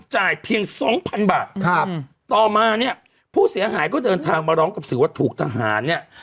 เพียงสองพันบาทครับต่อมาเนี่ยผู้เสียหายก็เดินทางมาร้องกับสื่อว่าถูกทหารเนี่ย